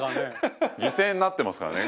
齊藤：犠牲になってますからね。